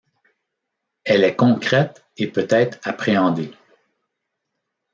Elle est concrète et peut être appréhendée.